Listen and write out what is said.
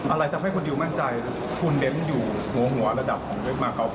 อะไรทำให้คุณดิวมั่นใจคุณเน้นอยู่หัวระดับของเล็กมากครับ